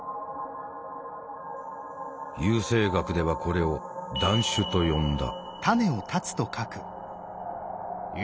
優生学ではこれを「断種」と呼んだ。